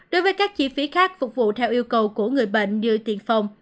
đối với các chi phí khác phục vụ theo yêu cầu của người bệnh như tiền phòng